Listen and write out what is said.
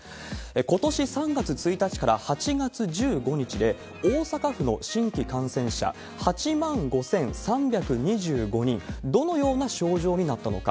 ことし３月１日から８月１５日で大阪府の新規感染者、８万５３２５人、どのような症状になったのか。